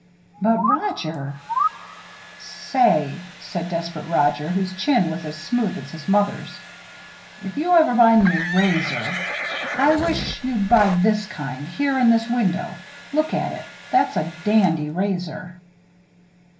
"But, Roger " "Say," said desperate Roger, whose chin was as smooth as his mother's, "if you ever buy me a razor, I wish you'd buy this kind here in this window. Look at it. That's a dandy razor."